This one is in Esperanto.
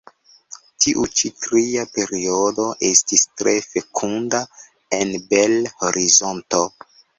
Tiu ĉi tria periodo estis tre fekunda en Bel-Horizonto.